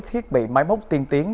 thiết bị máy móc tiên tiến